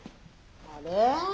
あれ？